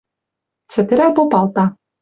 Цӹтӹрӓл попалта: